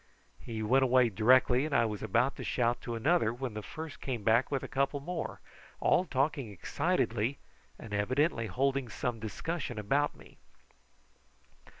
He went away directly, and I was about to shout to another when the first one came back with a couple more, all talking excitedly, and evidently holding some discussion about me.